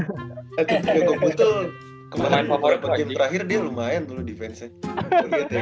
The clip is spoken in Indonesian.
jakob putel kemaren di partien terakhir dia lumayan tuh defense nya